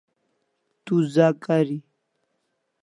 Tu za kari